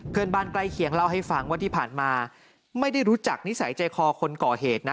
เพื่อนบ้านใกล้เคียงเล่าให้ฟังว่าที่ผ่านมาไม่ได้รู้จักนิสัยใจคอคนก่อเหตุนะ